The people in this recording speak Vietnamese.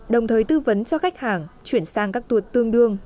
đồng thời tư vấn cho khách hàng chuyển sang các tour tương đương